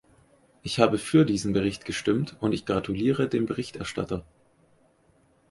Ich habe für diesen Bericht gestimmt, und ich gratuliere dem Berichterstatter.